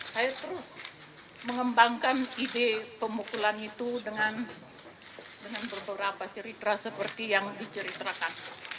saya terus mengembangkan ide pemukulan itu dengan beberapa cerita seperti yang diceritakan